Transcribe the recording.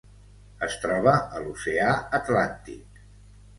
Es troba a l'Oceà Atlàntic.